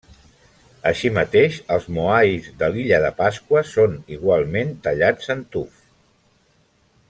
Així mateix els moais de l'illa de Pasqua són igualment tallats en tuf.